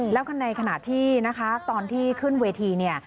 แล้วกันในขณะที่ตอนที่ขึ้นเวที